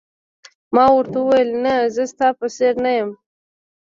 ما ورته وویل: نه، زه ستا په څېر نه یم.